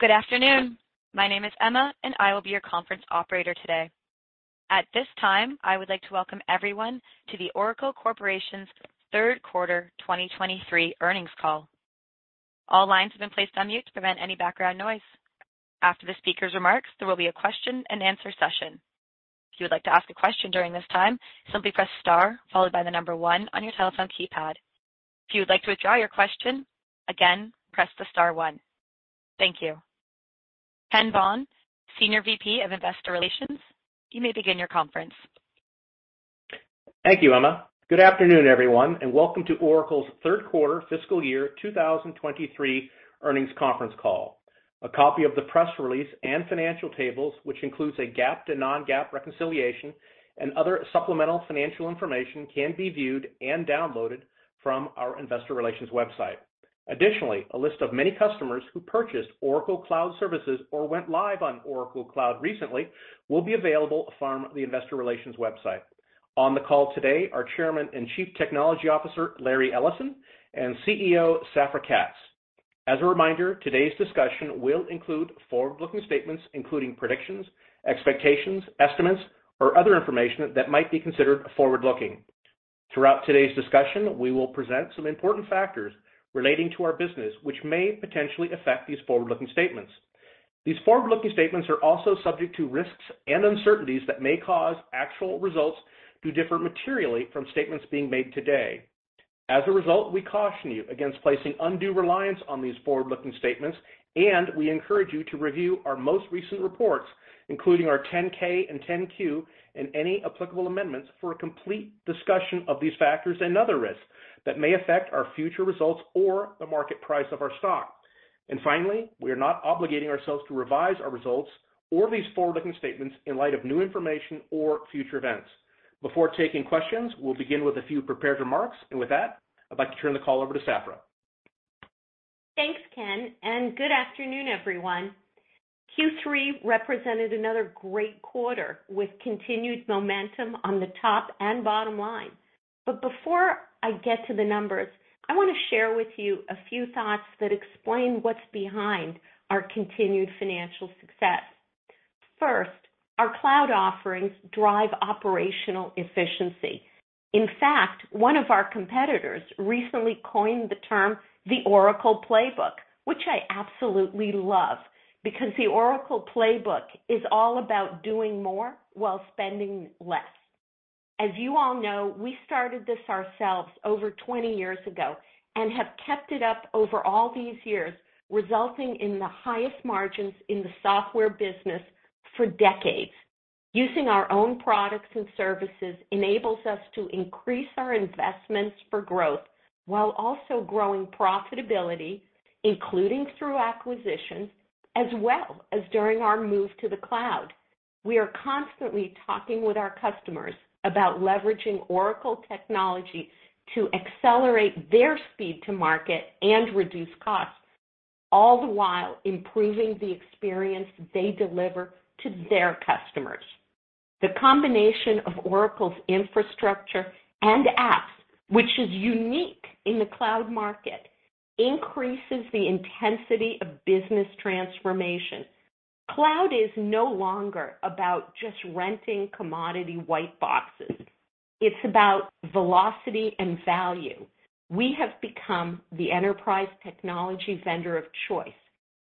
Good afternoon. My name is Emma, I will be your conference operator today. At this time, I would like to welcome everyone to the Oracle Corporation's Third Quarter 2023 Earnings Call. All lines have been placed on mute to prevent any background noise. After the speaker's remarks, there will be a question-and-answer session. If you would like to ask a question during this time, simply press star followed by the number one on your telephone keypad. If you would like to withdraw your question, again, press the star one. Thank you. Ken Bond, Senior VP of Investor Relations, you may begin your conference. Thank you, Emma. Good afternoon, everyone, and welcome to Oracle's third quarter fiscal year 2023 earnings conference call. A copy of the press release and financial tables, which includes a GAAP to non-GAAP reconciliation and other supplemental financial information can be viewed and downloaded from our investor relations website. A list of many customers who purchased Oracle Cloud services or went live on Oracle Cloud recently will be available from the investor relations website. On the call today, our Chairman and Chief Technology Officer, Larry Ellison, and CEO, Safra Catz. As a reminder, today's discussion will include forward-looking statements, including predictions, expectations, estimates, or other information that might be considered forward-looking. Throughout today's discussion, we will present some important factors relating to our business, which may potentially affect these forward-looking statements. These forward-looking statements are also subject to risks and uncertainties that may cause actual results to differ materially from statements being made today. As a result, we caution you against placing undue reliance on these forward-looking statements, and we encourage you to review our most recent reports, including our 10-K and 10-Q and any applicable amendments for a complete discussion of these factors and other risks that may affect our future results or the market price of our stock. Finally, we are not obligating ourselves to revise our results or these forward-looking statements in light of new information or future events. Before taking questions, we'll begin with a few prepared remarks, and with that, I'd like to turn the call over to Safra. Thanks, Ken. Good afternoon, everyone. Q3 represented another great quarter with continued momentum on the top and bottom line. Before I get to the numbers, I want to share with you a few thoughts that explain what's behind our continued financial success. First, our cloud offerings drive operational efficiency. In fact, one of our competitors recently coined the term the Oracle Playbook, which I absolutely love because the Oracle Playbook is all about doing more while spending less. As you all know, we started this ourselves over 20 years ago and have kept it up over all these years, resulting in the highest margins in the software business for decades. Using our own products and services enables us to increase our investments for growth while also growing profitability, including through acquisitions, as well as during our move to the cloud. We are constantly talking with our customers about leveraging Oracle technology to accelerate their speed to market and reduce costs, all the while improving the experience they deliver to their customers. The combination of Oracle's infrastructure and apps, which is unique in the cloud market, increases the intensity of business transformation. Cloud is no longer about just renting commodity white boxes. It's about velocity and value. We have become the enterprise technology vendor of choice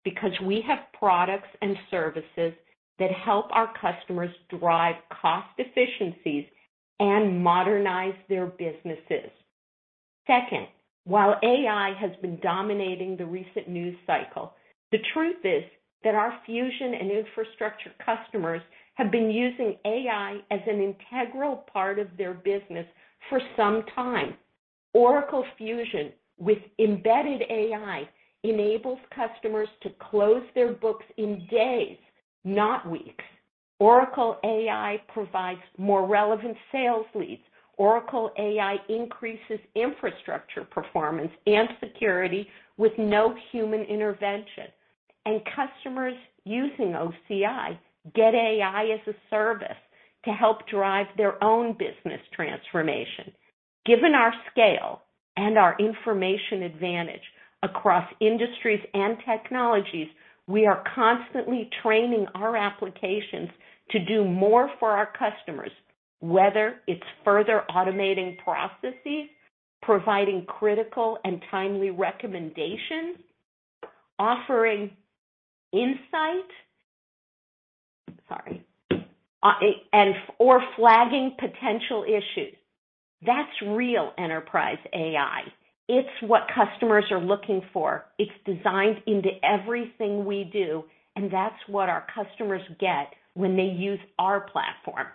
because we have products and services that help our customers drive cost efficiencies and modernize their businesses. Second, while AI has been dominating the recent news cycle, the truth is that our Oracle Fusion and infrastructure customers have been using AI as an integral part of their business for some time. Oracle Fusion, with embedded AI, enables customers to close their books in days, not weeks. Oracle AI provides more relevant sales leads. Oracle AI increases infrastructure performance and security with no human intervention. Customers using OCI get AI as a service to help drive their own business transformation. Given our scale and our information advantage across industries and technologies, we are constantly training our applications to do more for our customers, whether it's further automating processes, providing critical and timely recommendations, offering insight. Or flagging potential issues. That's real enterprise AI. It's what customers are looking for. It's designed into everything we do, and that's what our customers get when they use our platform.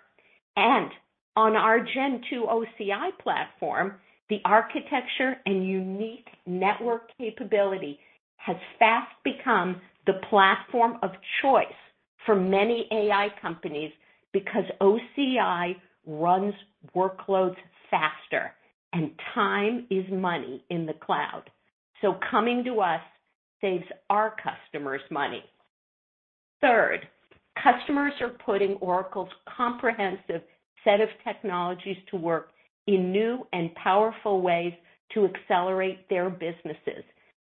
On our Gen 2 OCI platform, the architecture and unique network capability has fast become the platform of choice for many AI companies because OCI runs workloads faster, and time is money in the cloud. Coming to us saves our customers money. Third, customers are putting Oracle's comprehensive set of technologies to work in new and powerful ways to accelerate their businesses.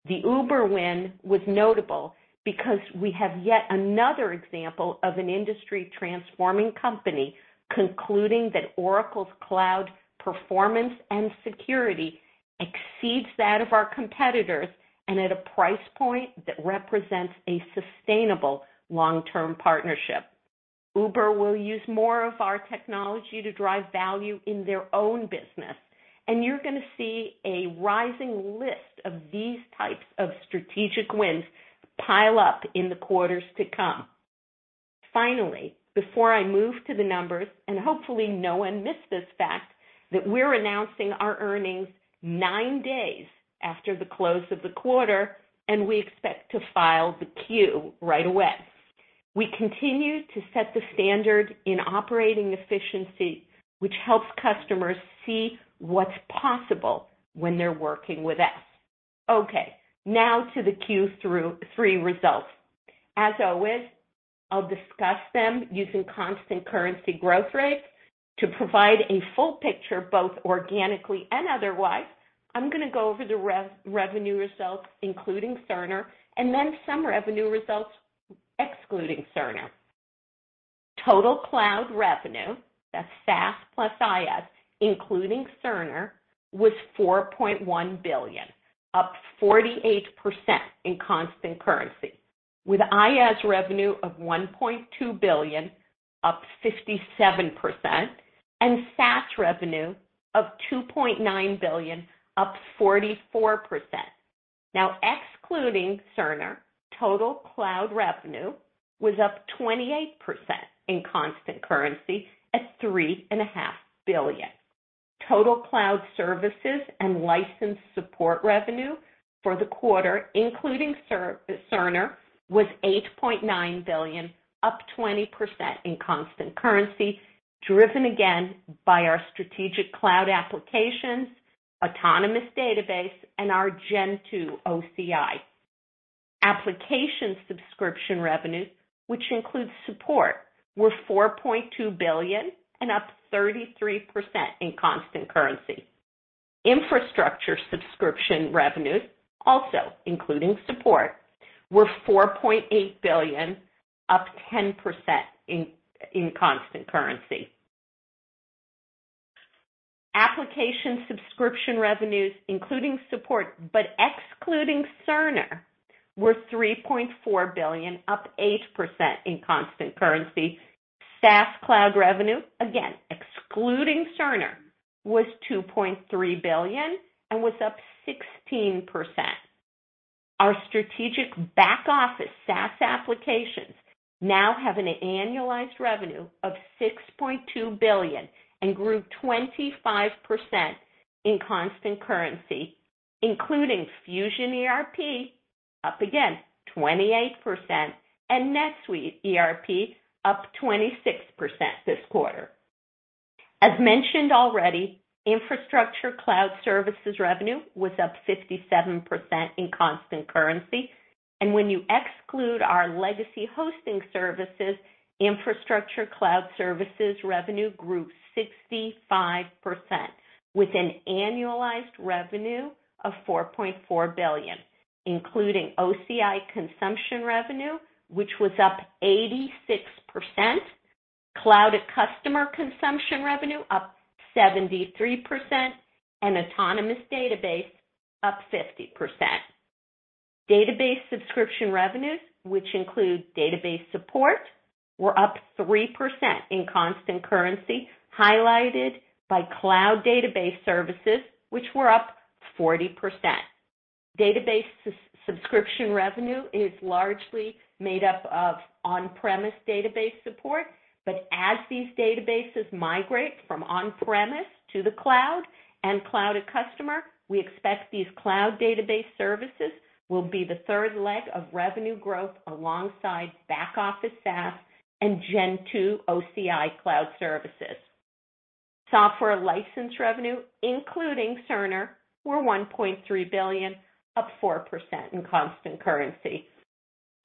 The Uber win was notable because we have yet another example of an industry-transforming company concluding that Oracle's cloud performance and security exceeds that of our competitors and at a price point that represents a sustainable long-term partnership. Uber will use more of our technology to drive value in their own business, and you're gonna see a rising list of these types of strategic wins pile up in the quarters to come. Before I move to the numbers, hopefully, no one missed this fact that we're announcing our earnings nine days after the close of the quarter, and we expect to file the Q right away. Now to the Q3 results. As always, I'll discuss them using constant currency growth rates. To provide a full picture, both organically and otherwise, I'm gonna go over the revenue results, including Cerner, and then some revenue results excluding Cerner. Total cloud revenue, that's SaaS plus IaaS, including Cerner, was $4.1 billion, up 48% in constant currency. With IaaS revenue of $1.2 billion, up 57%, and SaaS revenue of $2.9 billion, up 44%. Excluding Cerner, total cloud revenue was up 28% in constant currency at $3.5 billion. Total cloud services and license support revenue for the quarter, including Cerner, was $8.9 billion, up 20% in constant currency, driven again by our strategic cloud applications, Autonomous Database, and our Gen 2 OCI. Application subscription revenues, which includes support, were $4.2 billion and up 33% in constant currency. Infrastructure subscription revenues, also including support, were $4.8 billion, up 10% in constant currency. Application subscription revenues, including support but excluding Cerner, were $3.4 billion, up 8% in constant currency. SaaS cloud revenue, again excluding Cerner, was $2.3 billion and was up 16%. Our strategic back-office SaaS applications now have an annualized revenue of $6.2 billion and grew 25% in constant currency, including Fusion ERP up again 28% and NetSuite ERP up 26% this quarter. As mentioned already, infrastructure cloud services revenue was up 57% in constant currency. When you exclude our legacy hosting services, infrastructure cloud services revenue grew 65% with an annualized revenue of $4.4 billion, including OCI consumption revenue, which was up 86%, Cloud@Customer consumption revenue up 73%, and Autonomous Database up 50%. Database subscription revenues, which include database support, were up 3% in constant currency, highlighted by cloud database services, which were up 40%. Database subscription revenue is largely made up of on-premise database support. As these databases migrate from on-premise to the cloud and Cloud@Customer, we expect these cloud database services will be the third leg of revenue growth alongside back-office SaaS and Gen 2 OCI Cloud Services. Software license revenue, including Cerner, were $1.3 billion, up 4% in constant currency.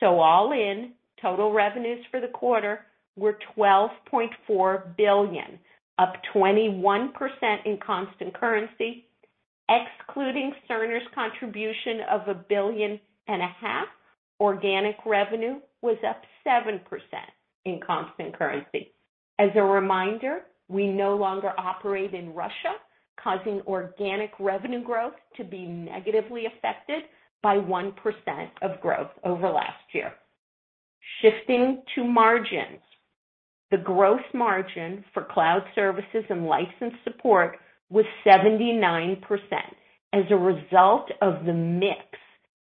All in, total revenues for the quarter were $12.4 billion, up 21% in constant currency. Excluding Cerner's contribution of a billion and a half, organic revenue was up 7% in constant currency. As a reminder, we no longer operate in Russia, causing organic revenue growth to be negatively affected by 1% of growth over last year. Shifting to margins. The growth margin for cloud services and license support was 79% as a result of the mix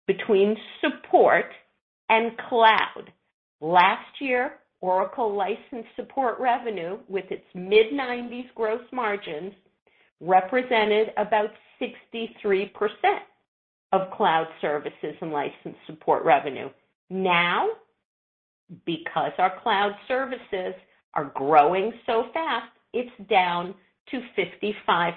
between support and cloud. Last year, Oracle license support revenue, with its mid-90s gross margins, represented about 63% of cloud services and license support revenue. Because our cloud services are growing so fast, it's down to 55%.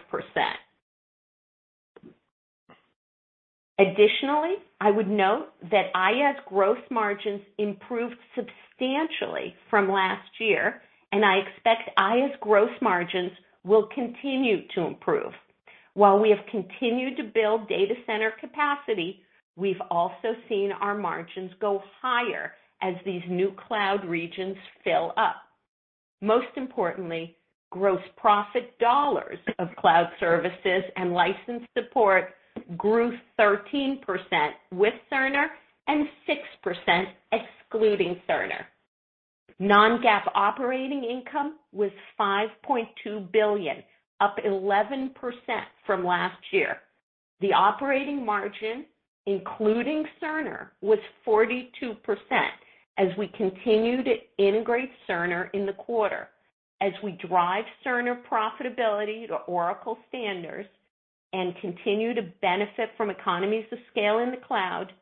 Additionally, I would note that IaaS gross margins improved substantially from last year, and I expect IaaS gross margins will continue to improve. While we have continued to build data center capacity, we've also seen our margins go higher as these new cloud regions fill up. Most importantly, gross profit dollars of cloud services and license support grew 13% with Cerner and 6% excluding Cerner. Non-GAAP operating income was $5.2 billion, up 11% from last year. The operating margin, including Cerner, was 42% as we continued to integrate Cerner in the quarter. As we drive Cerner profitability to Oracle standards and continue to benefit from economies of scale in the cloud,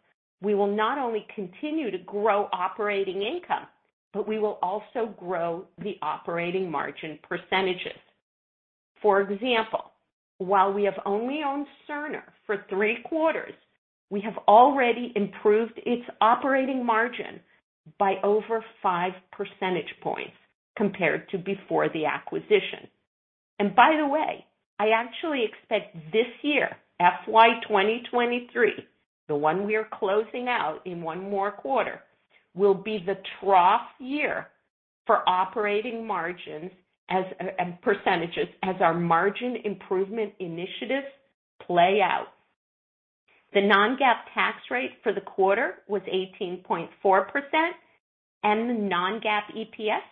we will not only continue to grow operating income, but we will also grow the operating margin percentages. For example, while we have only owned Cerner for three quarters, we have already improved its operating margin by over five percentage points compared to before the acquisition. By the way, I actually expect this year, FY 2023, the one we are closing out in one more quarter, will be the trough year for operating margins and percentages as our margin improvement initiatives play out. The non-GAAP tax rate for the quarter was 18.4% and the non-GAAP EPS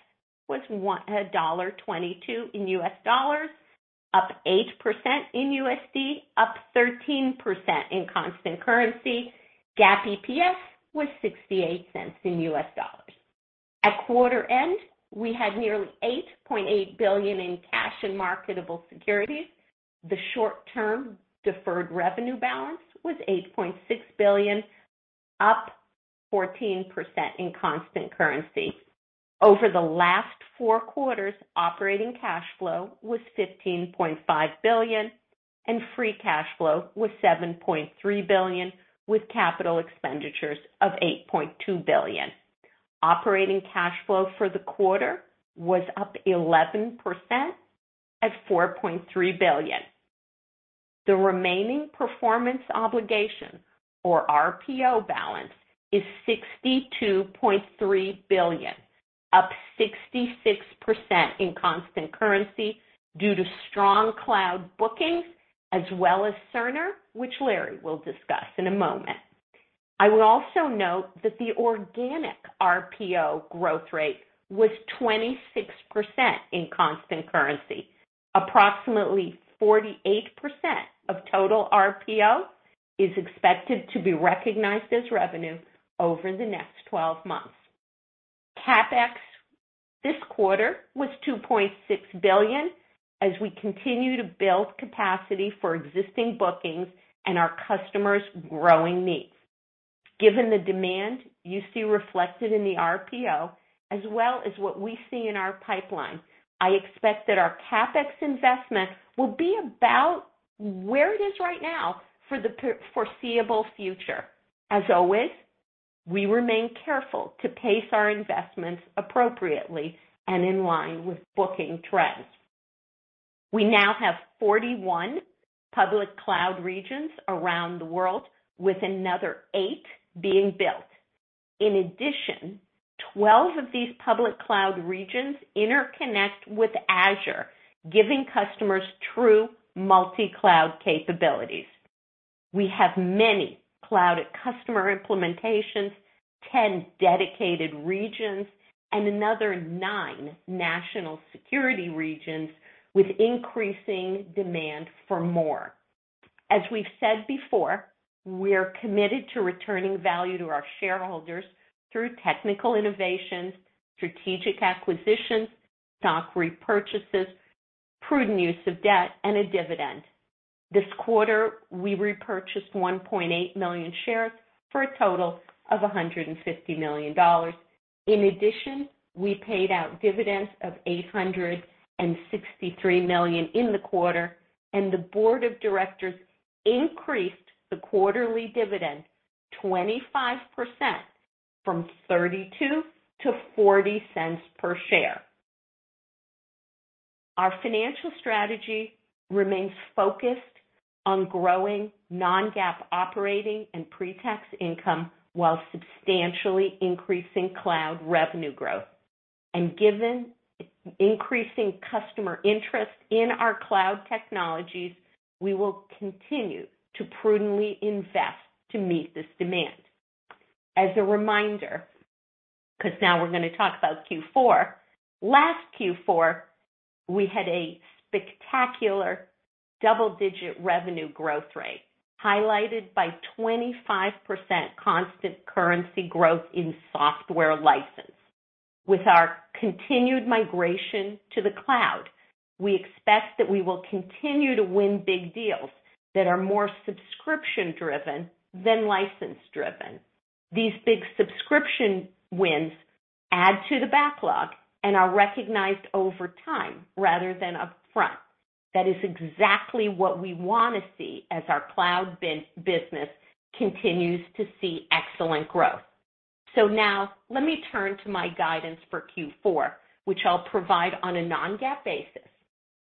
was $1.22, up 8% in USD, up 13% in constant currency. GAAP EPS was $0.68. At quarter end, we had nearly $8.8 billion in cash and marketable securities. The short-term deferred revenue balance was $8.6 billion, up 14% in constant currency. Over the last four quarters, operating cash flow was $15.5 billion, and free cash flow was $7.3 billion, with capital expenditures of $8.2 billion. Operating cash flow for the quarter was up 11% at $4.3 billion. The remaining performance obligation, or RPO balance, is $62.3 billion, up 66% in constant currency due to strong cloud bookings as well as Cerner, which Larry will discuss in a moment. I would also note that the organic RPO growth rate was 26% in constant currency. Approximately 48% of total RPO is expected to be recognized as revenue over the next 12 months. CapEx this quarter was $2.6 billion as we continue to build capacity for existing bookings and our customers' growing needs. Given the demand you see reflected in the RPO as well as what we see in our pipeline, I expect that our CapEx investment will be about where it is right now for the foreseeable future. As always, we remain careful to pace our investments appropriately and in line with booking trends. We now have 41 public cloud regions around the world with another eight being built. Twelve of these public cloud regions interconnect with Azure, giving customers true multi-cloud capabilities. We have many cloud customer implementations, 10 dedicated regions, and another nine national security regions with increasing demand for more. As we've said before, we are committed to returning value to our shareholders through technical innovations, strategic acquisitions, stock repurchases, prudent use of debt, and a dividend. This quarter, we repurchased 1.8 million shares for a total of $150 million. We paid out dividends of $863 million in the quarter, and the board of directors increased the quarterly dividend 25% from $0.32 to $0.40 per share. Our financial strategy remains focused on growing non-GAAP operating and pre-tax income while substantially increasing cloud revenue growth. Given increasing customer interest in our cloud technologies, we will continue to prudently invest to meet this demand. As a reminder, because now we're going to talk about Q4, last Q4, we had a spectacular double-digit revenue growth rate, highlighted by 25% constant currency growth in software license. With our continued migration to the cloud, we expect that we will continue to win big deals that are more subscription-driven than license-driven. These big subscription wins add to the backlog and are recognized over time rather than upfront. That is exactly what we want to see as our cloud business continues to see excellent growth. Now let me turn to my guidance for Q4, which I'll provide on a non-GAAP basis.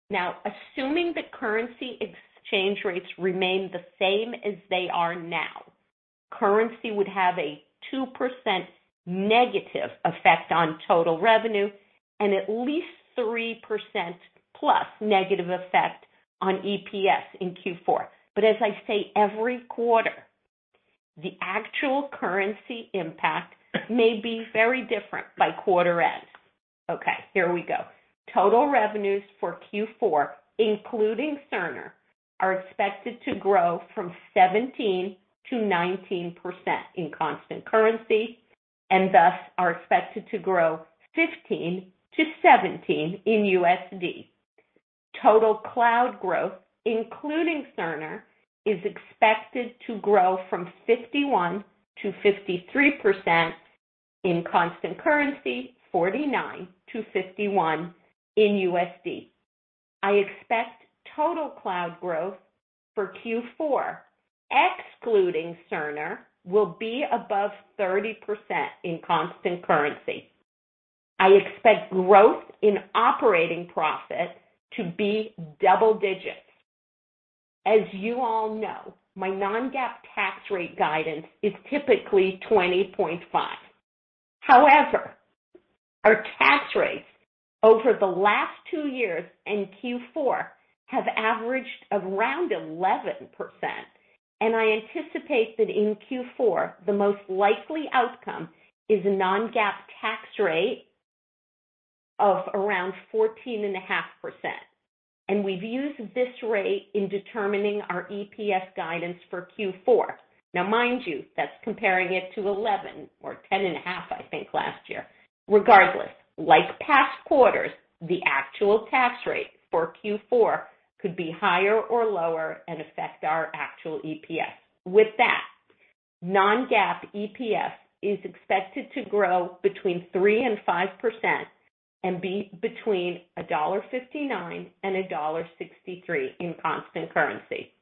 Now, assuming that currency exchange rates remain the same as they are now, currency would have a 2% negative effect on total revenue and at least 3%+ negative effect on EPS in Q4. As I say, every quarter, the actual currency impact may be very different by quarter end. Okay, here we go. Total revenues for Q4, including Cerner, are expected to grow from 17%-19% in constant currency, and thus are expected to grow 15%-17% in USD. Total cloud growth, including Cerner, is expected to grow from 51% to 53% in constant currency, 49% to 51% in USD. I expect total cloud growth for Q4, excluding Cerner, will be above 30% in constant currency. I expect growth in operating profit to be double digits. As you all know, my non-GAAP tax rate guidance is typically 20.5%. However, our tax rates over the last two years in Q4 have averaged around 11%, and I anticipate that in Q4, the most likely outcome is a non-GAAP tax rate of around 14.5%. We've used this rate in determining our EPS guidance for Q4. Now mind you, that's comparing it to 11 or 10.5, I think, last year. Regardless, like past quarters, the actual tax rate for Q4 could be higher or lower and affect our actual EPS. With that, non-GAAP EPS is expected to grow between 3% and 5% and be between $1.59 and $1.63 in constant currency.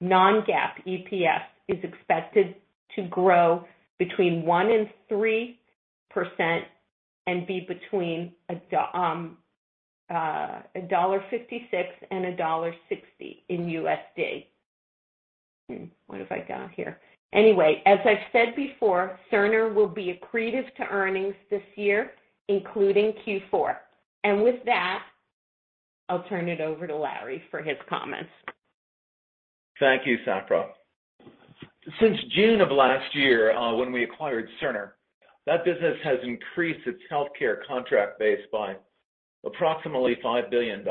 Non-GAAP EPS is expected to grow between 1% and 3% and be between $1.56 and $1.60 in USD. What have I got here? Anyway, as I've said before, Cerner will be accretive to earnings this year, including Q4. With that, I'll turn it over to Larry for his comments. Thank you, Safra. Since June of last year, when we acquired Cerner, that business has increased its healthcare contract base by approximately $5 billion.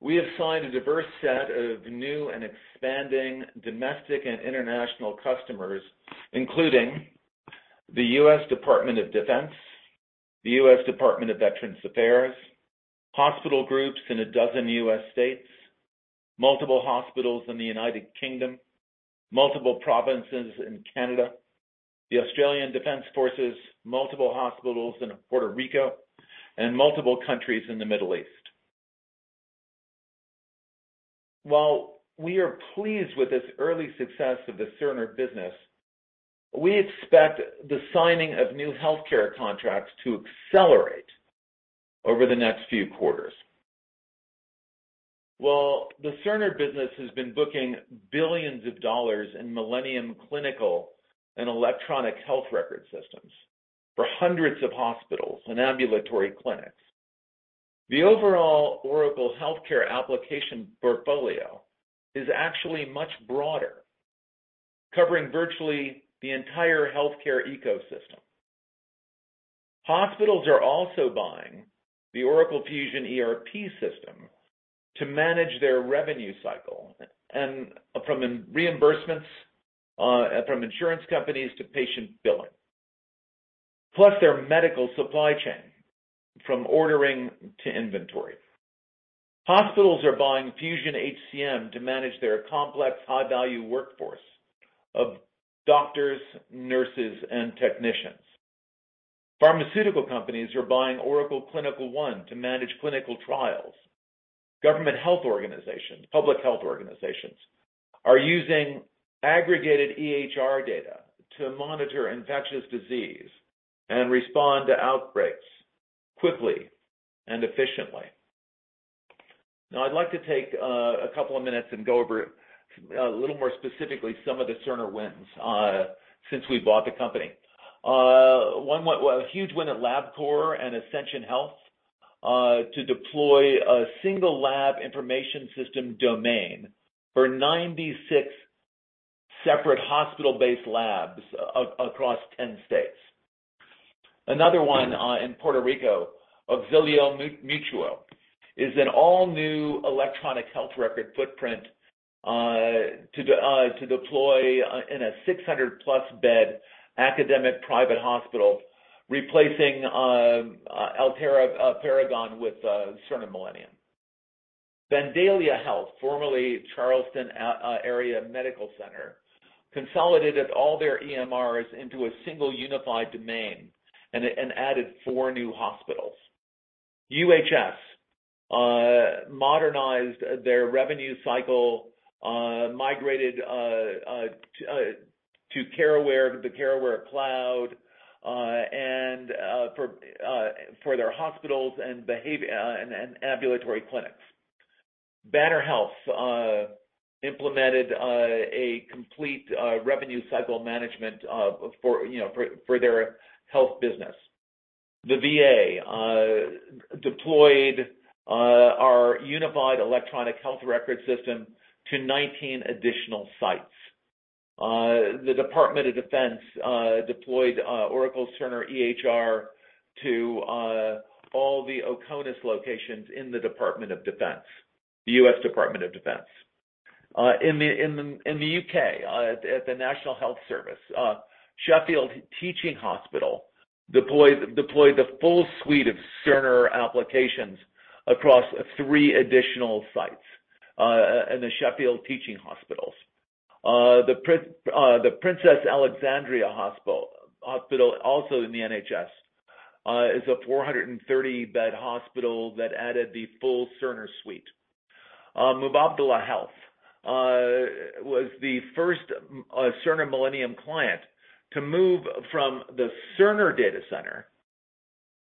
We have signed a diverse set of new and expanding domestic and international customers, including the US Department of Defense, the US Department of Veterans Affairs, hospital groups in 12 U.S. states, multiple hospitals in the United Kingdom, multiple provinces in Canada, the Australian Defence Forces, multiple hospitals in Puerto Rico, and multiple countries in the Middle East. While we are pleased with this early success of the Cerner business, we expect the signing of new healthcare contracts to accelerate over the next few quarters. While the Cerner business has been booking billions of dollars in Millennium clinical and electronic health record systems for hundreds of hospitals and ambulatory clinics, the overall Oracle healthcare application portfolio is actually much broader, covering virtually the entire healthcare ecosystem. Hospitals are also buying the Oracle Fusion ERP system to manage their revenue cycle and from reimbursements, from insurance companies to patient billing, plus their medical supply chain from ordering to inventory. Hospitals are buying Fusion HCM to manage their complex, high-value workforce of doctors, nurses, and technicians. Pharmaceutical companies are buying Oracle Clinical One to manage clinical trials. Government health organizations, public health organizations are using aggregated EHR data to monitor infectious disease and respond to outbreaks quickly and efficiently. Now, I'd like to take a couple of minutes and go over a little more specifically some of the Cerner wins since we bought the company. One A huge win at Labcorp and Ascension Health to deploy a single lab information system domain for 96 separate hospital-based labs across 10 states. Another one in Puerto Rico, Auxilio Mutuo, is an all-new electronic health record footprint to deploy in a 600+ bed academic private hospital, replacing Altera Paragon with Cerner Millennium. Vandalia Health, formerly Charleston Area Medical Center, consolidated all their EMRs into a single unified domain and added four new hospitals. UHS modernized their revenue cycle, migrated to the CareAware cloud, and for their hospitals and ambulatory clinics. Banner Health implemented a complete revenue cycle management for, you know, for their health business. The VA deployed our unified electronic health record system to 19 additional sites. The Department of Defense deployed Oracle Cerner EHR to all the OCONUS locations in the Department of Defense, the U.S. Department of Defense. In the U.K., at the National Health Service, Sheffield Teaching Hospital deployed the full suite of Cerner applications across three additional sites in the Sheffield Teaching Hospitals. The Princess Alexandra Hospital, also in the NHS, is a 430-bed hospital that added the full Cerner suite. Mubadala Health was the first Cerner Millennium client to move from the Cerner data center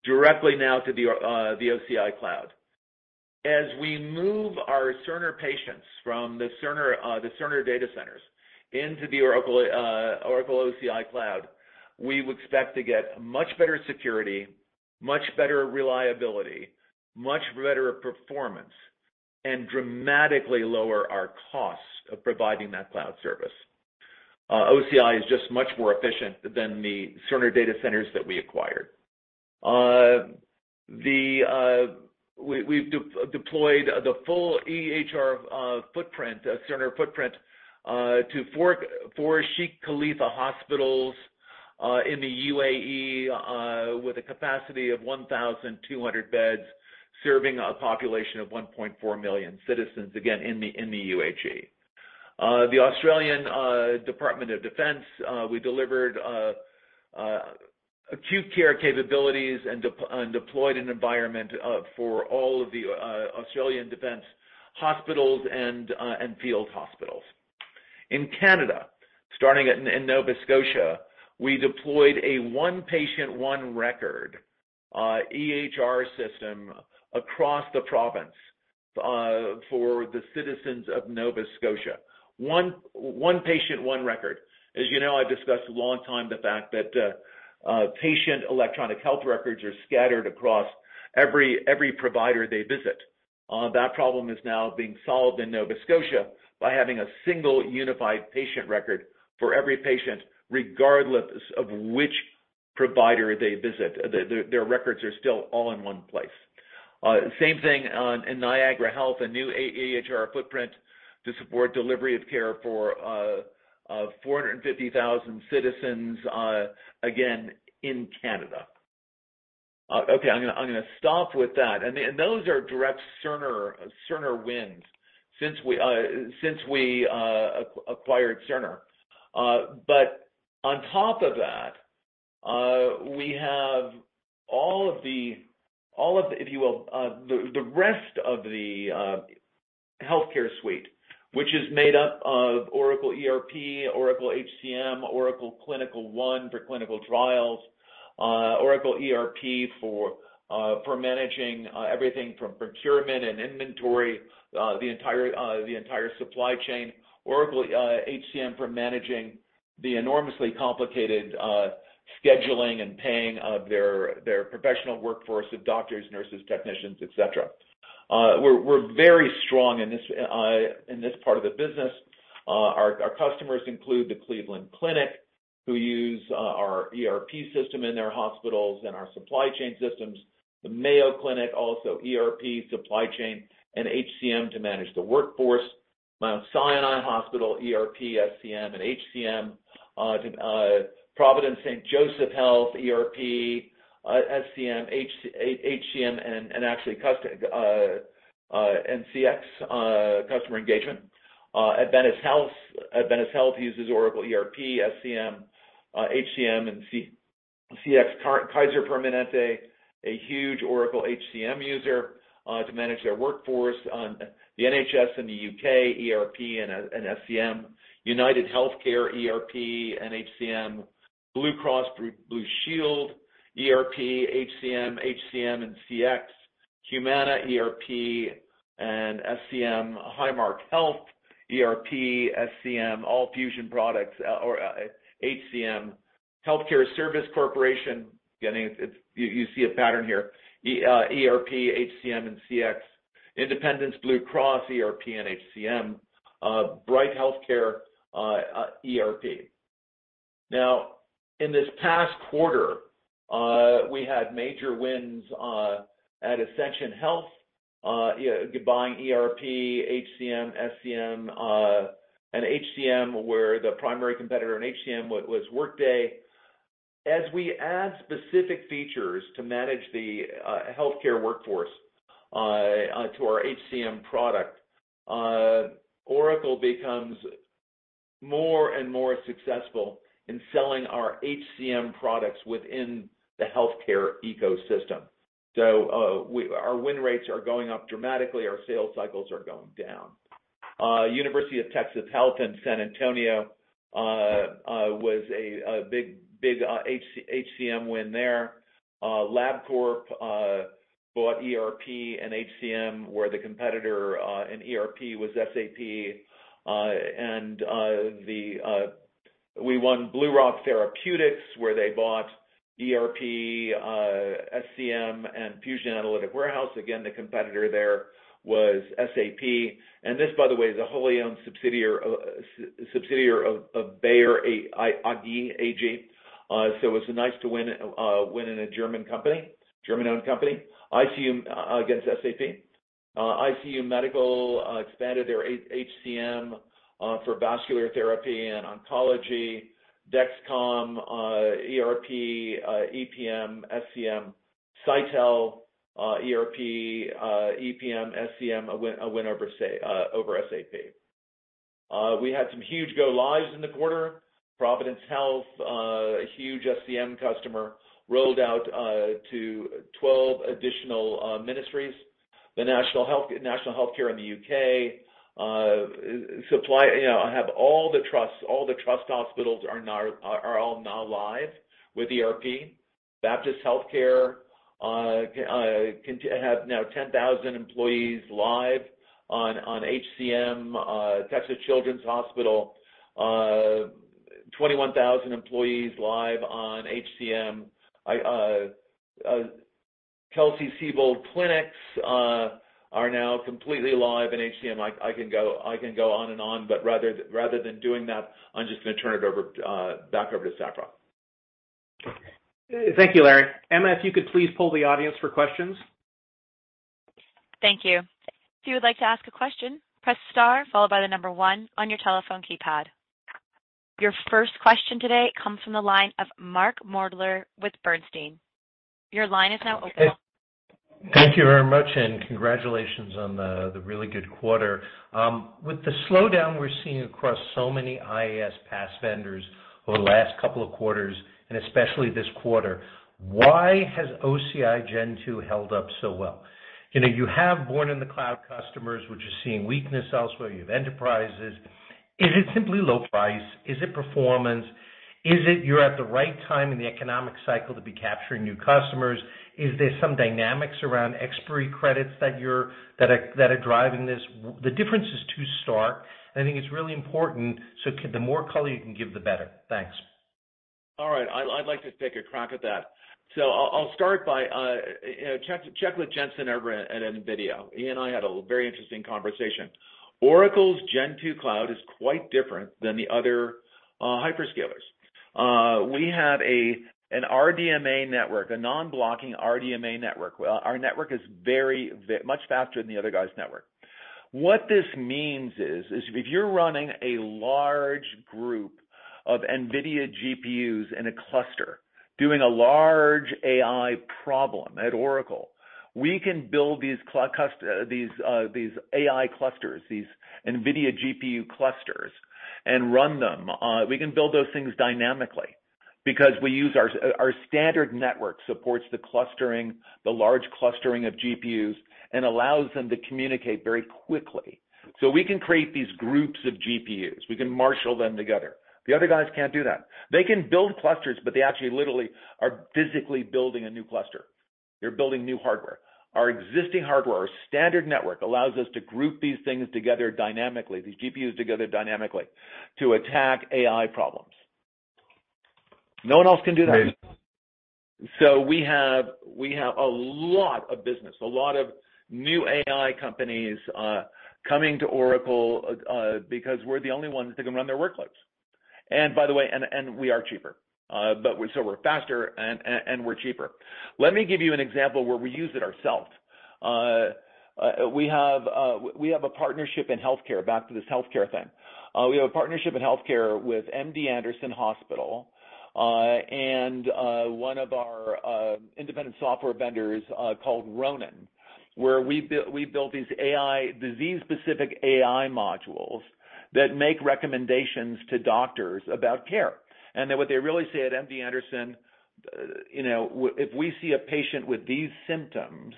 directly now to the OCI cloud. As we move our Cerner patients from the Cerner data centers into the Oracle OCI cloud, we would expect to get much better security, much better reliability, much better performance, and dramatically lower our costs of providing that cloud service. OCI is just much more efficient than the Cerner data centers that we acquired. We've de-deployed the full EHR footprint, Cerner footprint, to four Sheikh Khalifa hospitals in the UAE, with a capacity of 1,200 beds, serving a population of 1.4 million citizens, again, in the UAE. The Australian Department of Defence, we delivered acute care capabilities and deployed an environment for all of the Australian Defence hospitals and field hospitals. In Canada, in Nova Scotia, we deployed a one patient, one record EHR system across the province for the citizens of Nova Scotia. One patient, one record. As you know, I've discussed a long time the fact that patient electronic health records are scattered across every provider they visit. That problem is now being solved in Nova Scotia by having a single unified patient record for every patient. Regardless of which provider they visit, their records are still all in one place. Same thing in Niagara Health, a new AEHR footprint to support delivery of care for 450,000 citizens again, in Canada. Okay, I'm gonna stop with that. Those are direct Cerner wins since we acquired Cerner. On top of that, we have all of the... If you will, the rest of the healthcare suite, which is made up of Oracle ERP, Oracle HCM, Oracle Clinical One for clinical trials, Oracle ERP for managing everything from procurement and inventory, the entire supply chain, Oracle HCM for managing the enormously complicated scheduling and paying of their professional workforce of doctors, nurses, technicians, et cetera. We're very strong in this part of the business. Our customers include the Cleveland Clinic, who use our ERP system in their hospitals and our supply chain systems. The Mayo Clinic, also ERP, supply chain, and HCM to manage the workforce. Mount Sinai Hospital, ERP, SCM, and HCM. Providence St. Joseph Health, ERP, SCM, HCM, and actually CX, customer engagement. Adventist Health, Adventist Health uses Oracle ERP, SCM, HCM, and CX. Kaiser Permanente, a huge Oracle HCM user, to manage their workforce. The NHS in the U.K., ERP and SCM. UnitedHealthcare, ERP and HCM. Blue Cross Blue Shield, ERP, HCM, and CX. Humana, ERP and SCM. Highmark Health, ERP, SCM, all Fusion products, or HCM. Health Care Service Corporation, again, it's, you see a pattern here, ERP, HCM, and CX. Independence Blue Cross, ERP, and HCM. Bright Health Group, ERP. In this past quarter, we had major wins at Ascension Health, buying ERP, HCM, SCM, and HCM, where the primary competitor in HCM was Workday. As we add specific features to manage the healthcare workforce, to our HCM product, Oracle becomes more and more successful in selling our HCM products within the healthcare ecosystem. Our win rates are going up dramatically, our sales cycles are going down. UT Health San Antonio was a big HCM win there. LabCorp bought ERP and HCM, where the competitor in ERP was SAP. We won BlueRock Therapeutics, where they bought ERP, SCM, and Fusion Analytics Warehouse. Again, the competitor there was SAP. This, by the way, is a wholly owned subsidiary of Bayer AG. It was nice to win in a German company, German-owned company. ICU against SAP. ICU Medical expanded their HCM for vascular therapy and oncology. Dexcom ERP, EPM, SCM. Sitel ERP, EPM, SCM, a win over SAP. We had some huge go-lives in the quarter. Providence Health, a huge SCM customer, rolled out to 12 additional ministries. The National Healthcare in the UK supply, you know, have all the trust hospitals are all now live with ERP. Baptist Healthcare have now 10,000 employees live on HCM. Texas Children's Hospital 21,000 employees live on HCM. I, Kelsey-Seybold Clinics, are now completely live in HCM. I can go on and on, but rather than doing that, I'm just gonna turn it over, back over to Safra. Thank you, Larry. Emma, if you could please poll the audience for questions. Thank you. If you would like to ask a question, press star followed by 1 on your telephone keypad. Your first question today comes from the line of Mark Moerdler with Bernstein. Your line is now open. Thank you very much. Congratulations on the really good quarter. With the slowdown we're seeing across so many IaaS PaaS vendors over the last couple of quarters, especially this quarter, why has OCI Gen 2 held up so well? You know, you have born-in-the-cloud customers which are seeing weakness elsewhere. You have enterprises. Is it simply low price? Is it performance? Is it you're at the right time in the economic cycle to be capturing new customers? Is there some dynamics around expiry credits that are driving this? The difference is too stark. I think it's really important. The more color you can give, the better. Thanks. All right. I'd like to take a crack at that. I'll start by, you know, check with Jensen at NVIDIA. He and I had a very interesting conversation. Oracle's Gen 2 cloud is quite different than the other hyperscalers. We have an RDMA network, a non-blocking RDMA network. Well, our network is very much faster than the other guy's network. What this means is, if you're running a large group of NVIDIA GPUs in a cluster doing a large AI problem at Oracle, we can build these AI clusters, these NVIDIA GPU clusters and run them. We can build those things dynamically because we use our standard network supports the clustering, the large clustering of GPUs, and allows them to communicate very quickly. We can create these groups of GPUs. We can marshal them together. The other guys can't do that. They can build clusters, but they actually literally are physically building a new cluster. They're building new hardware. Our existing hardware, our standard network allows us to group these things together dynamically, these GPUs together dynamically to attack AI problems. No one else can do that. We have a lot of business, a lot of new AI companies coming to Oracle because we're the only ones that can run their workloads. By the way, we are cheaper. We're faster and we're cheaper. Let me give you an example where we use it ourselves. We have a partnership in healthcare, back to this healthcare thing. We have a partnership in healthcare with MD Anderson Cancer Center, and one of our independent software vendors, called RONIN, where we build these AI, disease-specific AI modules that make recommendations to doctors about care. What they really say at MD Anderson, you know, "If we see a patient with these symptoms,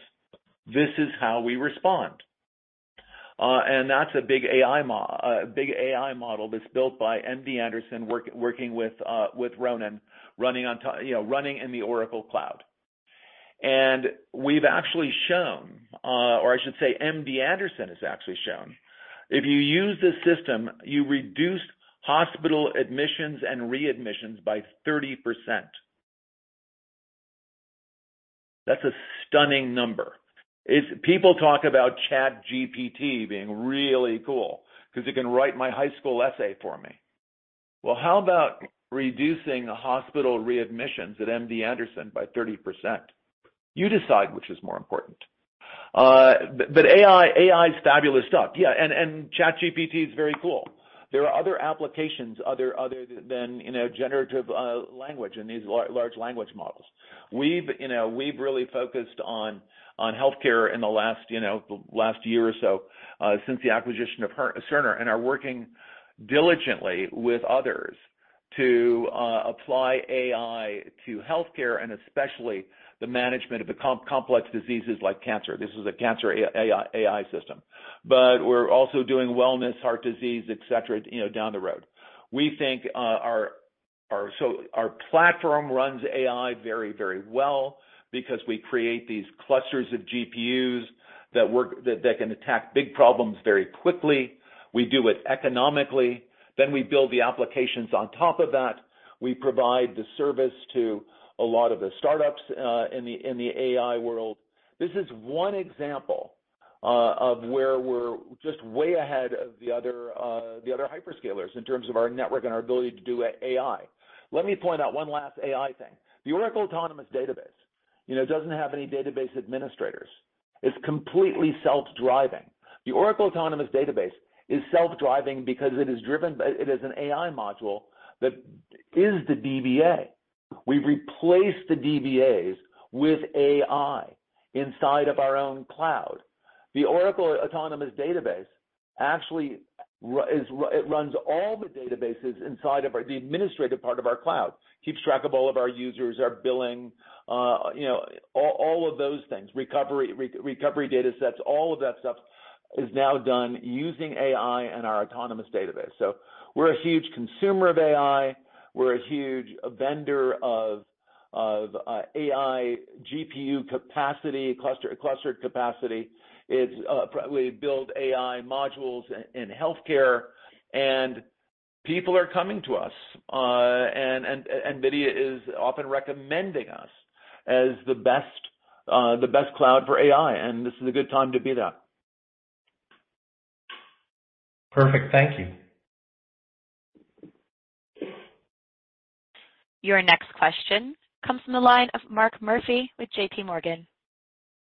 this is how we respond." That's a big AI model that's built by MD Anderson working with RONIN running in the Oracle Cloud. We've actually shown, or I should say MD Anderson has actually shown, if you use this system, you reduce hospital admissions and readmissions by 30%. That's a stunning number. It's. People talk about ChatGPT being really cool 'cause it can write my high school essay for me. Well, how about reducing hospital readmissions at MD Anderson by 30%? You decide which is more important. AI is fabulous stuff. Yeah, and ChatGPT is very cool. There are other applications other than, you know, generative language in these large language models. We've, you know, really focused on healthcare in the last, you know, year or so, since the acquisition of Cerner, and are working diligently with others to apply AI to healthcare and especially the management of the complex diseases like cancer. This is a cancer AI system. We're also doing wellness, heart disease, et cetera, you know, down the road. We think our platform runs AI very well because we create these clusters of GPUs that can attack big problems very quickly. We do it economically, then we build the applications on top of that. We provide the service to a lot of the startups in the AI world. This is one example of where we're just way ahead of the other, the other hyperscalers in terms of our network and our ability to do AI. Let me point out one last AI thing. The Oracle Autonomous Database, you know, doesn't have any database administrators. It's completely self-driving. The Oracle Autonomous Database is self-driving because it is driven by, it is an AI module that is the DBA. We've replaced the DBAs with AI inside of our own cloud. The Oracle Autonomous Database actually it runs all the databases inside of our... the administrative part of our cloud. Keeps track of all of our users, our billing, you know, all of those things. Recovery, recovery datasets, all of that stuff is now done using AI and our Autonomous Database. We're a huge consumer of AI. We're a huge vendor of AI GPU capacity, clustered capacity. We build AI modules in healthcare, people are coming to us. NVIDIA is often recommending us as the best cloud for AI, and this is a good time to be that. Perfect. Thank you. Your next question comes from the line of Mark Murphy with JPMorgan.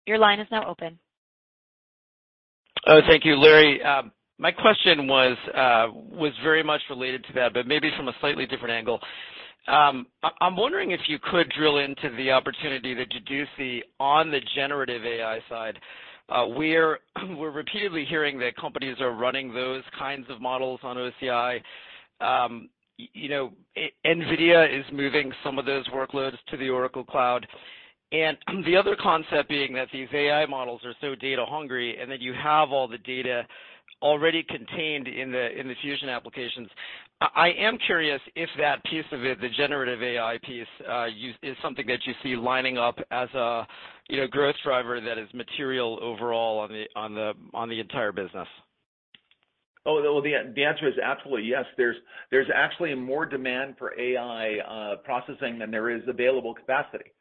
Your line is now open. Thank you, Larry. My question was very much related to that, but maybe from a slightly different angle. I'm wondering if you could drill into the opportunity that you do see on the generative AI side. We're repeatedly hearing that companies are running those kinds of models on OCI. You know, NVIDIA is moving some of those workloads to the Oracle Cloud. The other concept being that these AI models are so data hungry, and then you have all the data already contained in the Fusion applications. I am curious if that piece of it, the generative AI piece, is something that you see lining up as a, you know, growth driver that is material overall on the entire business. Well, the answer is absolutely yes. There's actually more demand for AI processing than there is available capacity.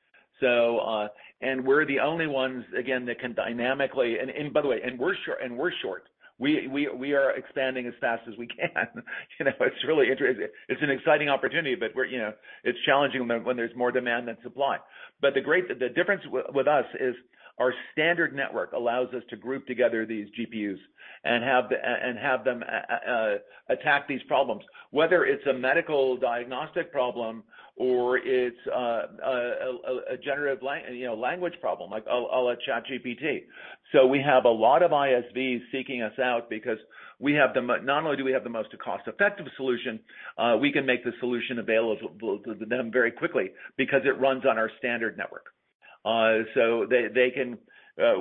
we're the only ones, again, that can dynamically, by the way, we're short. We are expanding as fast as we can. You know, it's really interesting. It's an exciting opportunity, but we're, you know, it's challenging when there's more demand than supply. The difference with us is our standard network allows us to group together these GPUs and have them attack these problems, whether it's a medical diagnostic problem or it's a generative, you know, language problem, like a ChatGPT. We have a lot of ISVs seeking us out because not only do we have the most cost-effective solution, we can make the solution available to them very quickly because it runs on our standard network. They can,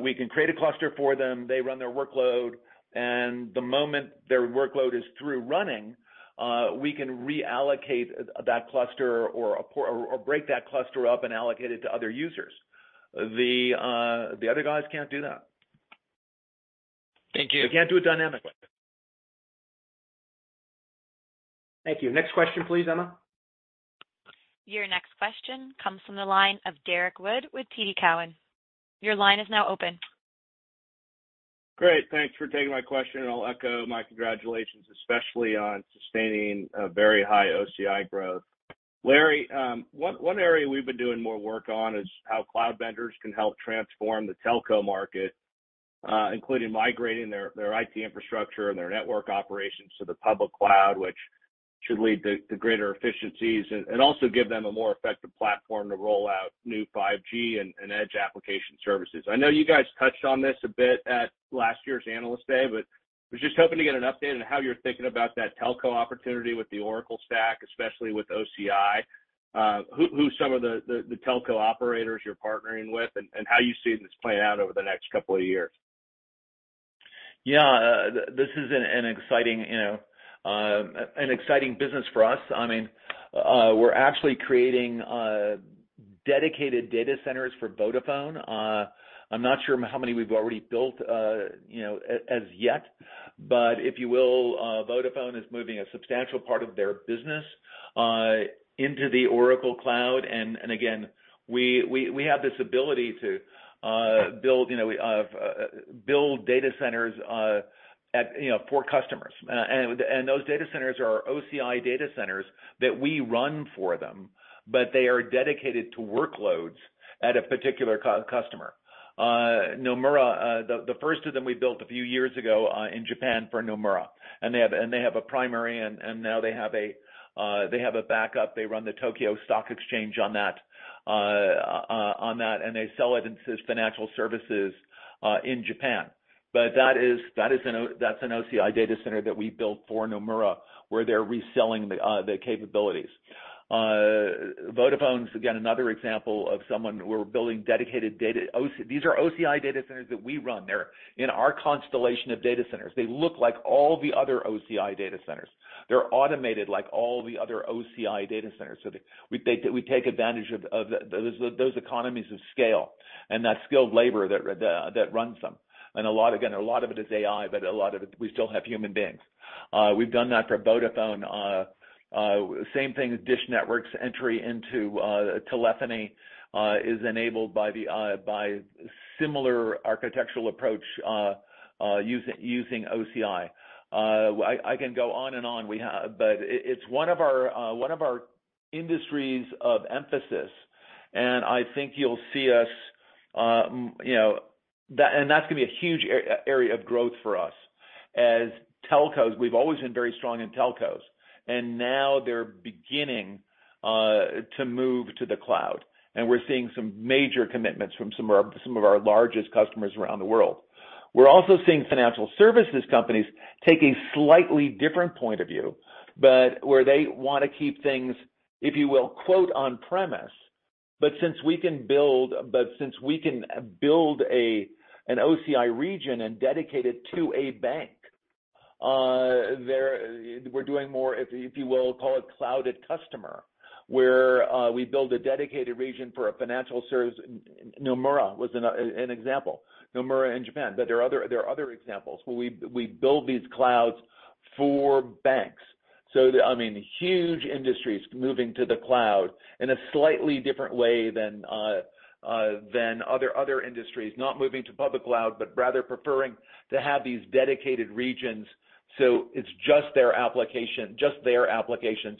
we can create a cluster for them, they run their workload, and the moment their workload is through running, we can reallocate that cluster or break that cluster up and allocate it to other users. The other guys can't do that. Thank you. They can't do it dynamically. Thank you. Next question, please, Emma. Your next question comes from the line of Derrick Wood with TD Cowen. Your line is now open. Great. Thanks for taking my question. I'll echo my congratulations, especially on sustaining a very high OCI growth. Larry, one area we've been doing more work on is how cloud vendors can help transform the telco market, including migrating their IT infrastructure and their network operations to the public cloud, which should lead to greater efficiencies and also give them a more effective platform to roll out new 5G and Edge application services. I know you guys touched on this a bit at last year's Analyst Day, was just hoping to get an update on how you're thinking about that telco opportunity with the Oracle stack, especially with OCI. Who's some of the telco operators you're partnering with and how you see this playing out over the next couple of years? Yeah. This is an exciting, you know, an exciting business for us. I mean, we're actually creating dedicated data centers for Vodafone. I'm not sure how many we've already built as yet, but if you will, Vodafone is moving a substantial part of their business into the Oracle Cloud. Again, we have this ability to build data centers at for customers. Those data centers are OCI data centers that we run for them, but they are dedicated to workloads at a particular customer. Nomura, the first of them we built a few years ago in Japan for Nomura. They have a primary, and now they have a backup. They run the Tokyo Stock Exchange on that, on that, they sell it in financial services in Japan. That's an OCI data center that we built for Nomura, where they're reselling the capabilities. Vodafone is, again, another example of someone we're building dedicated data. These are OCI data centers that we run. They're in our constellation of data centers. They look like all the other OCI data centers. They're automated like all the other OCI data centers. We take advantage of those economies of scale and that skilled labor that runs them. A lot, again, a lot of it is AI, a lot of it, we still have human beings. We've done that for Vodafone. Same thing with DISH Network's entry into telephony is enabled by the by similar architectural approach using OCI. I can go on and on. It's one of our industries of emphasis, and I think you'll see us, you know. That's gonna be a huge area of growth for us. As telcos, we've always been very strong in telcos, now they're beginning to move to the cloud. We're seeing some major commitments from some of our largest customers around the world. We're also seeing financial services companies take a slightly different point of view, but where they wanna keep things, if you will, quote on premise. Since we can build an OCI region and dedicate it to a bank, they're, we're doing more, if you will, call it Cloud@Customer, where we build a dedicated region for a financial service. Nomura was an example, Nomura in Japan. There are other examples where we build these clouds for banks. I mean, huge industries moving to the cloud in a slightly different way than other industries. Not moving to public cloud, but rather preferring to have these dedicated regions, so it's just their applications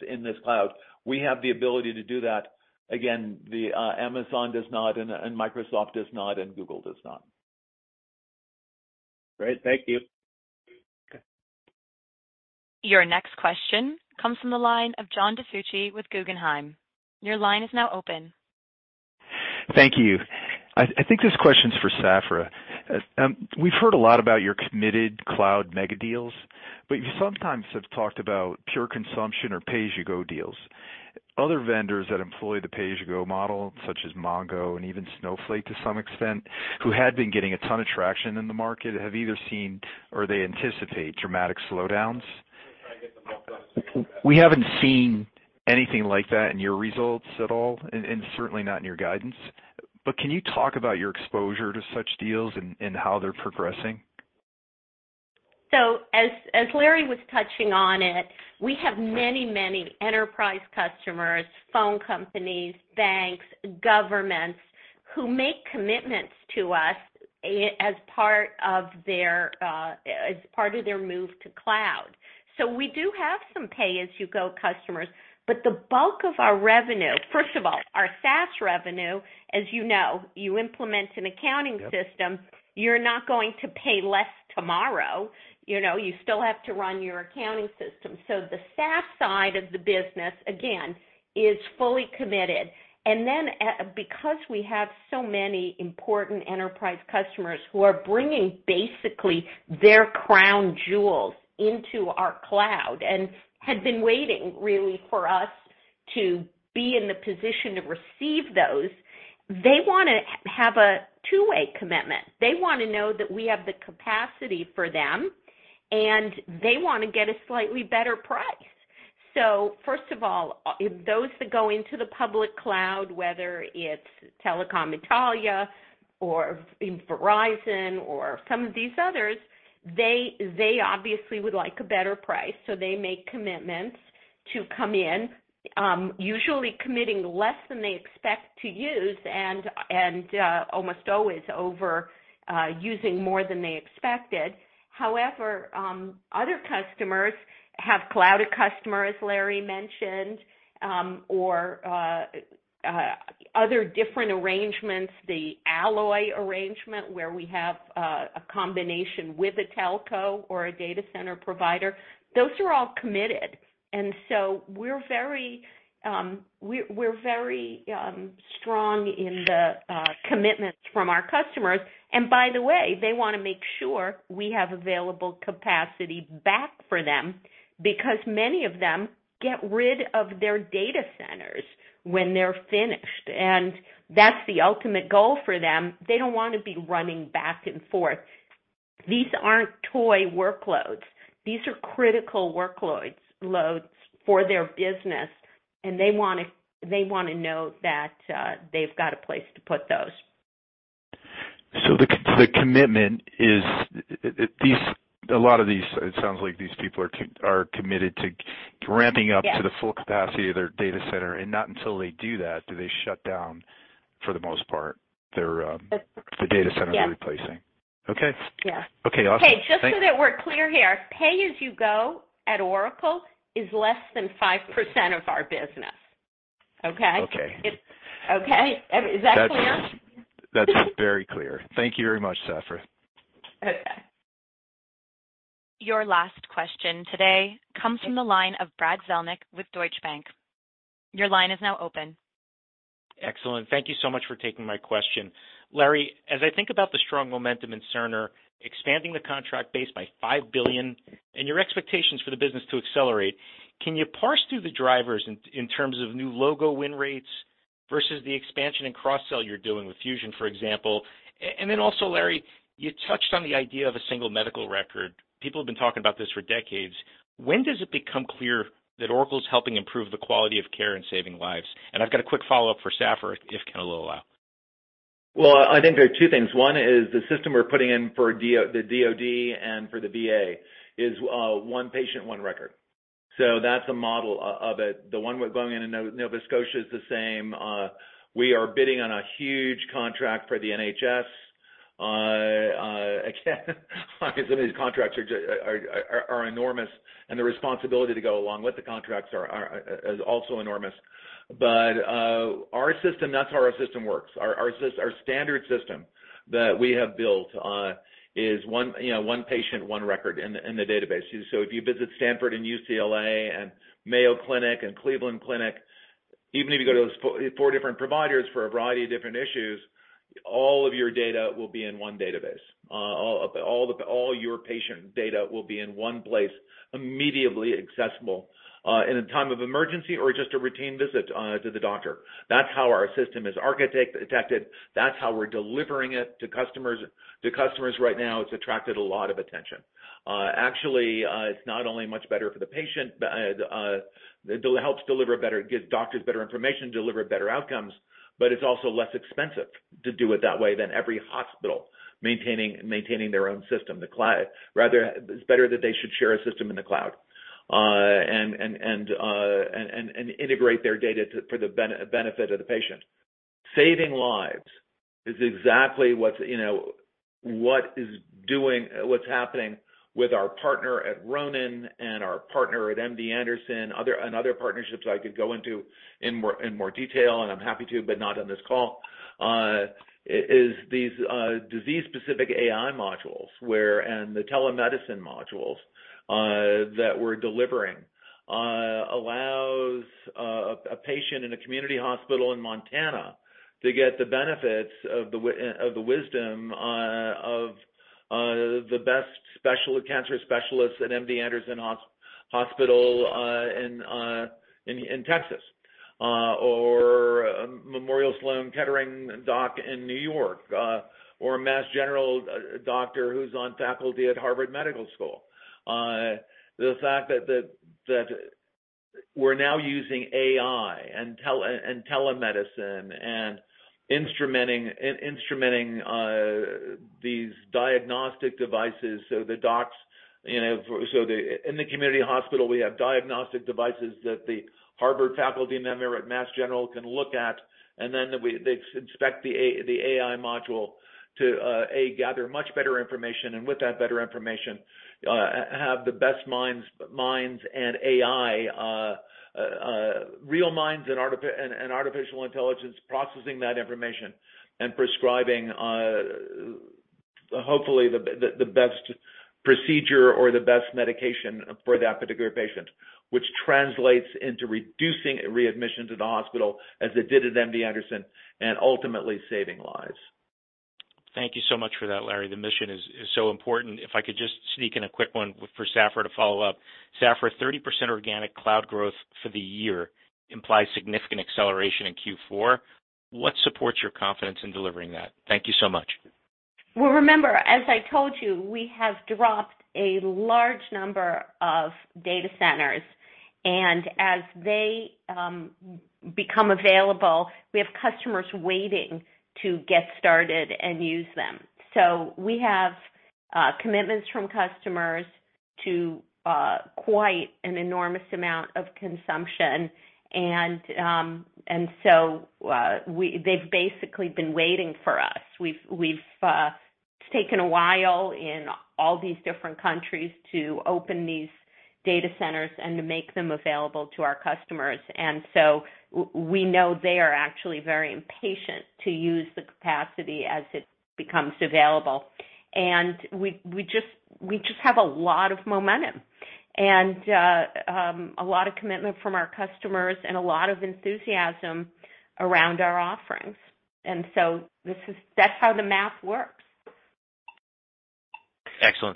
in this cloud. We have the ability to do that. Again, the Amazon does not, and Microsoft does not, and Google does not. Great. Thank you. Okay. Your next question comes from the line of John DiFucci with Guggenheim. Your line is now open. Thank you. I think this question is for Safra. We've heard a lot about your committed cloud megadeals. You sometimes have talked about pure consumption or pay-as-you-go deals. Other vendors that employ the pay-as-you-go model, such as MongoDB and even Snowflake to some extent, who had been getting a ton of traction in the market, have either seen or they anticipate dramatic slowdowns. We haven't seen anything like that in your results at all, and certainly not in your guidance. Can you talk about your exposure to such deals and how they're progressing? As, as Larry was touching on it, we have many enterprise customers, phone companies, banks, governments, who make commitments to us as part of their, as part of their move to cloud. We do have some pay-as-you-go customers, but the bulk of our revenue. First of all, our SaaS revenue, as you know, you implement an accounting system, you're not going to pay less tomorrow. You know, you still have to run your accounting system. The SaaS side of the business, again, is fully committed. Then, because we have so many important enterprise customers who are bringing basically their crown jewels into our cloud and had been waiting really for us to be in the position to receive those, they wanna have a two-way commitment. They wanna know that we have the capacity for them, and they wanna get a slightly better price. First of all, those that go into the public cloud, whether it's Telecom Italia or in Verizon or some of these others, they obviously would like a better price. They make commitments to come in, usually committing less than they expect to use and almost always over using more than they expected. However, other customers have Cloud@Customer, as Larry mentioned, or other different arrangements, the Alloy arrangement, where we have a combination with a telco or a data center provider. Those are all committed. We're very strong in the commitments from our customers. By the way, they wanna make sure we have available capacity back for them because many of them get rid of their data centers when they're finished. That's the ultimate goal for them. They don't wanna be running back and forth. These aren't toy workloads. These are critical workloads, loads for their business, and they wanna know that they've got a place to put those. The commitment is a lot of these, it sounds like these people are committed to ramping up. Yes. -to the full capacity of their data center, and not until they do that do they shut down, for the most part, the data center. Yeah. They're replacing. Okay. Yeah. Okay. Awesome. Okay. Just so that we're clear here, pay-as-you-go at Oracle is less than 5% of our business. Okay. Okay. It's. Okay. Is that clear? That's very clear. Thank you very much, Safra. Okay. Your last question today comes from the line of Brad Zelnick with Deutsche Bank. Your line is now open. Excellent. Thank you so much for taking my question. Larry, as I think about the strong momentum in Cerner, expanding the contract base by $5 billion and your expectations for the business to accelerate, can you parse through the drivers in terms of new logo win rates versus the expansion in cross-sell you're doing with Fusion, for example? Then also, Larry, you touched on the idea of a single medical record. People have been talking about this for decades. When does it become clear that Oracle is helping improve the quality of care and saving lives? I've got a quick follow-up for Safra, if Ken will allow. I think there are two things. One is the system we're putting in for the DoD and for the VA is one patient, one record. That's a model of it. The one we're going in in Nova Scotia is the same. We are bidding on a huge contract for the NHS. Again, some of these contracts are enormous, and the responsibility to go along with the contracts is also enormous. Our system, that's how our system works. Our standard system that we have built is one, you know, one patient, one record in the database. If you visit Stanford and UCLA and Mayo Clinic and Cleveland Clinic, even if you go to those four different providers for a variety of different issues, all of your data will be in one database. All your patient data will be in one place, immediately accessible in a time of emergency or just a routine visit to the doctor. That's how our system is architected. That's how we're delivering it to customers. To customers right now, it's attracted a lot of attention. Actually, it's not only much better for the patient, but it helps deliver better, give doctors better information, deliver better outcomes, but it's also less expensive to do it that way than every hospital maintaining their own system. Rather, it's better that they should share a system in the cloud, and integrate their data to, for the benefit of the patient. Saving lives is exactly what's, you know, what's happening with our partner at RONIN and our partner at MD Anderson, and other partnerships I could go into in more detail, and I'm happy to, but not on this call, is these disease-specific AI modules where and the telemedicine modules that we're delivering, allows a patient in a community hospital in Montana to get the benefits of the wisdom of the best cancer specialists at MD Anderson Hospital in Texas, or Memorial Sloan Kettering doc in New York, or Mass General doctor who's on faculty at Harvard Medical School. The fact that we're now using AI and telemedicine and instrumenting these diagnostic devices, so the docs, you know, in the community hospital, we have diagnostic devices that the Harvard faculty member at Mass General can look at, and then they inspect the AI module to gather much better information, and with that better information, have the best minds and AI, real minds and artificial intelligence processing that information and prescribing, hopefully the best procedure or the best medication for that particular patient, which translates into reducing readmissions to the hospital as it did at MD Anderson and ultimately saving lives. Thank you so much for that, Larry. The mission is so important. If I could just sneak in a quick one for Safra to follow up. Safra, 30% organic cloud growth for the year implies significant acceleration in Q4. What supports your confidence in delivering that? Thank you so much. Well, remember, as I told you, we have dropped a large number of data centers. As they become available, we have customers waiting to get started and use them. We have commitments from customers to quite an enormous amount of consumption. They've basically been waiting for us. We've taken a while in all these different countries to open these data centers and to make them available to our customers. We know they are actually very impatient to use the capacity as it becomes available. We just have a lot of momentum and a lot of commitment from our customers and a lot of enthusiasm around our offerings. That's how the math works. Excellent.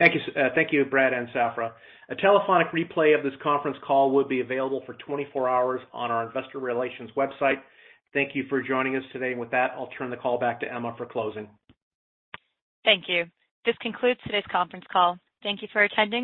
Thank you. Thank you, Brad and Safra. A telephonic replay of this conference call will be available for 24 hours on our investor relations website. Thank you for joining us today. With that, I'll turn the call back to Emma for closing. Thank you. This concludes today's conference call. Thank you for attending.